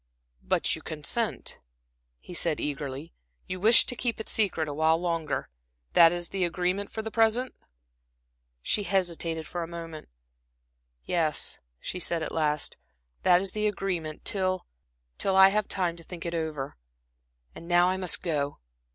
"But you consent," he said eagerly. "You wish to keep it secret, awhile longer? That is the agreement for the present?" She hesitated for a moment. "Yes," she said at last, "that is the agreement, till till I have time to think it over. And now I must go."